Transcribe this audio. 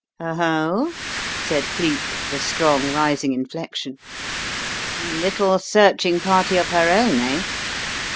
"Oho!" said Cleek, with a strong rising inflection. "A little searching party of her own, eh?